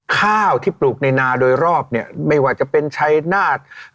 ข้าวที่ปลูกในนาโดยรอบเนี่ยไม่ว่าจะเป็นชัยนาธ